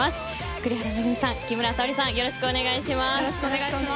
栗原恵さん木村沙織さん、お願いします。